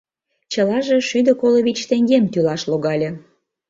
Чылаже шӱдӧ коло вич теҥгем тӱлаш логале.